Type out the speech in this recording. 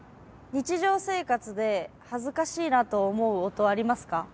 日常生活で恥ずかしいなと思う音ありますか？